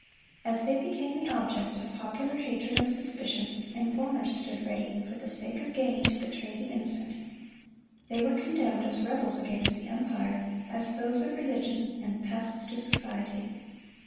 As they became the objects of popular hatred and suspicion, informers stood ready, for the sake of gain, to betray the innocent. They were condemned as rebels against the empire, as foes of religion, and pests to society.